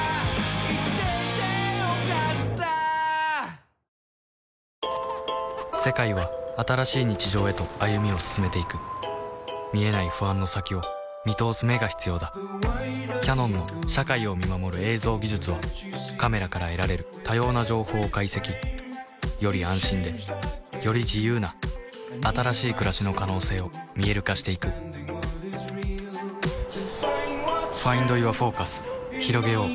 運動量、スタミナで練習量で上回る日本が必ずや逆転してくれると世界は新しい日常へと歩みを進めていく見えない不安の先を見通す眼が必要だキヤノンの社会を見守る映像技術はカメラから得られる多様な情報を解析より安心でより自由な新しい暮らしの可能性を見える化していくひろげよう